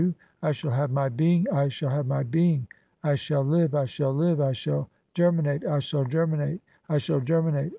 I shall have my being, I "shall have my being. I shall live, I shall live. I shall "germinate, I shall germinate, I shall germinate.